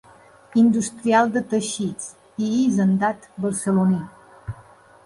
Industrial de teixits i hisendat barceloní.